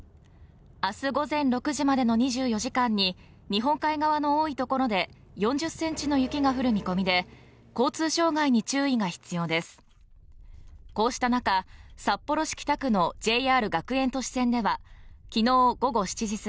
あす午前６時までの２４時間に日本海側の多い所で４０ｃｍの雪が降る見込みで交通障害に注意が必要です